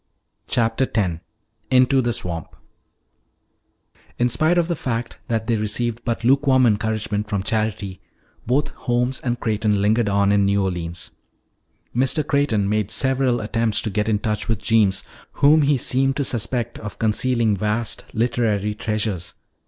CHAPTER X INTO THE SWAMP In spite of the fact that they received but lukewarm encouragement from Charity, both Holmes and Creighton lingered on in New Orleans. Mr. Creighton made several attempts to get in touch with Jeems, whom he seemed to suspect of concealing vast literary treasures.